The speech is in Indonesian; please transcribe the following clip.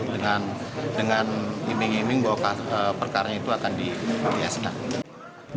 dengan iming iming bahwa perkaranya itu akan dihasilkan